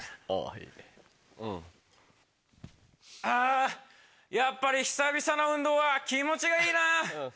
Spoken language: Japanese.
あやっぱり久々の運動は気持ちがいいな。